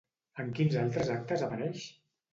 En quins altres actes apareix?